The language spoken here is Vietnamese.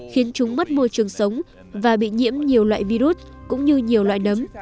khiến chúng mất môi trường sống và bị nhiễm nhiều loại virus cũng như nhiều loại nấm